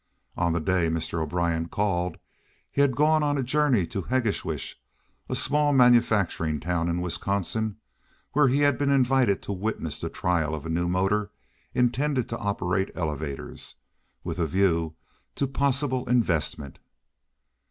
On the day Mr. O'Brien called he had gone on a journey to Hegewisch, a small manufacturing town in Wisconsin, where he had been invited to witness the trial of a new motor intended to operate elevators—with a view to possible investment.